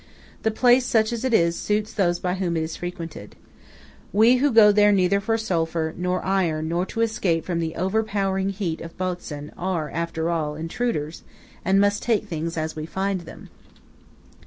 The place, such as it is, suits those by whom it is frequented. We who go there neither for sulphur, nor iron, nor to escape from the overpowering heat of Botzen, are, after all, intruders, and must take things as we find them.